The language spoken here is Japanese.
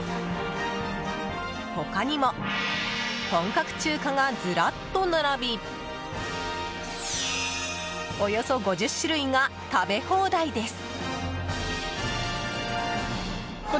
他にも、本格中華がずらっと並びおよそ５０種類が食べ放題です。